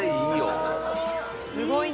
すごいね！